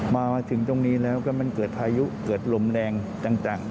มาถึงตรงนี้แล้วก็มันเกิดพายุเกิดลมแรงต่าง